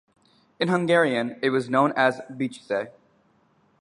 In Hungarian, it was known as Biccse.